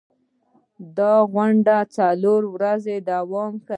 دا غونډه څلور ورځې دوام کوي.